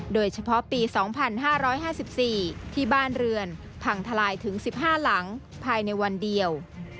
โดยเฉพาะปี๒๕๕๔ที่บ้านเรือนพังทลายถึง๑๕หลังภายในวันเดียว